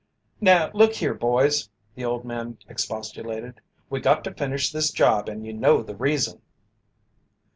"Now, look here, boys!" the old man expostulated. "We got to finish this job and you know the reason."